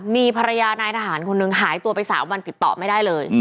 มีภรรยานายทหารคนนึงหายตัวไป๓วันติดต่อไม่ได้เลย